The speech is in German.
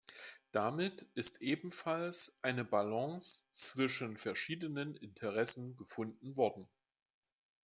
Damit ist ebenfalls eine Balance zwischen verschiedenen Interessen gefunden worden.